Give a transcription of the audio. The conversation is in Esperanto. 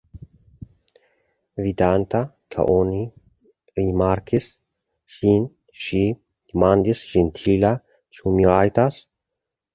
Vidante, ke oni rimarkis ŝin, ŝi demandis ĝentile: Ĉu mi rajtas?